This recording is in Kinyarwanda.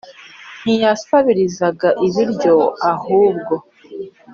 ntiyasabirizaga ibiryo, ahubwo